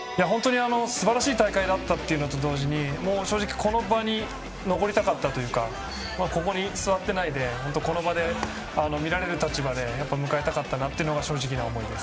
すばらしい大会だったというのと同時に正直、この場に残りたかったというかここに座ってないでこの場で、見られる立場で迎えたかったなというのが正直な思いです。